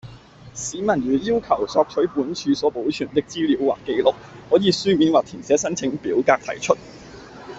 市民如要求索取本署所保存的資料或紀錄，可以書面或填寫申請表格提出